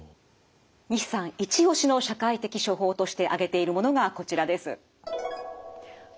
西さんイチ押しの社会的処方として挙げているものがこちらです。